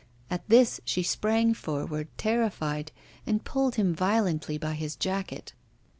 At this she sprang forward, terrified, and pulled him violently by his jacket.